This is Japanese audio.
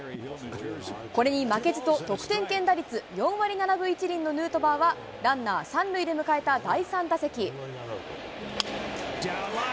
これに負けじと、得点圏打率４割７分１厘のヌートバーは、ランナー３塁で迎えた第３打席。